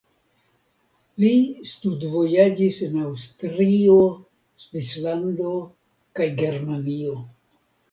Li studvojaĝis en Aŭstrio, Svislando kaj Germanio.